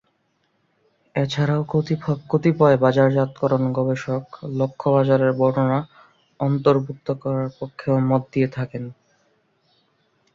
এছাড়াও কতিপয় বাজারজাতকরণ গবেষক "লক্ষ্য-বাজারের বর্ণনা" অন্তর্ভুক্ত করার পক্ষেও মত দিয়ে থাকেন।